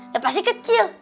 ya pasti kecil